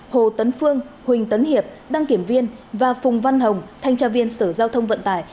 hồ tấn phương huỳnh tấn hiệp đăng kiểm viên và phùng văn hồng thanh tra viên sở giao thông vận tải